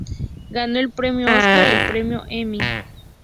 Ganó el premio Óscar y el Premio Emmy.